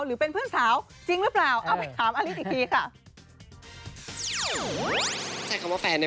หรือเป็นเพื่อนสาวจริงหรือเปล่า